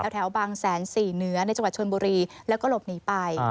แถวบางแสนสี่เหนือในจังหวัดชนบุรีแล้วก็หลบหนีไป